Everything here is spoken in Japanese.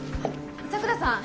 佐倉さん。